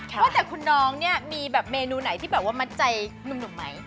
แต่คุณน้องมีแบบเมนูไหนที่แบบว่ามัดใจหนูมไหม